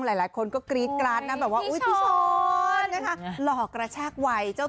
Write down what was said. หลายคนก็กรี๊ดกรัสนะแบบว่าพี่ช้อน